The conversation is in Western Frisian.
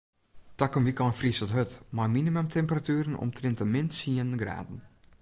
Takom wykein friest it hurd mei minimumtemperatueren omtrint de min tsien graden.